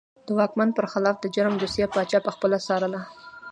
د واکمن پر خلاف د جرم دوسیه پاچا پخپله څارله.